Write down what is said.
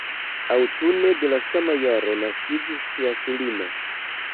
Aŭtune de le sama jaro naskiĝis ŝia filino.